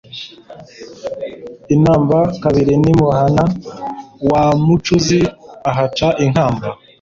I Namba-kabiri n'imuhana wa Mucuzi, ahaca inkamba.